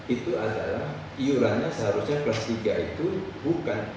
itu adalah iurannya seharusnya kelas tiga itu bukan empat puluh dua